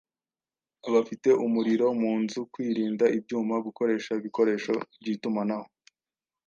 bafite umuriro mu nzu, kwirinda ibyuma gukoresha ibikoresho by’itumanaho